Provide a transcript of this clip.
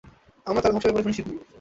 আমরা তার ধ্বংসের ব্যাপারে সুনিশ্চিত নই।